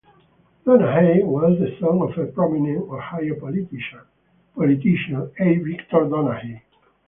Donahey was the son of prominent Ohio politician A. Victor Donahey.